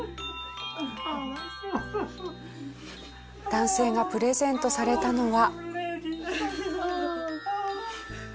男性がプレゼントされたのは。